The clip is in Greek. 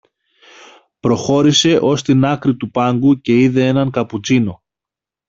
Προχώρησε ως την άκρη του πάγκου και είδε έναν καπουτσίνο